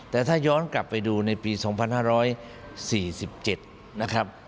แต่ถ้าย้อนกลับไปดูในปี๒๕๔๗นะครับ